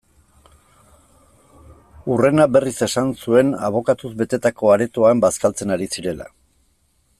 Hurrena, berriz esan zuen, abokatuz betetako aretoan bazkaltzen ari zirela.